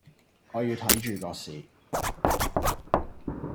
我要睇著個市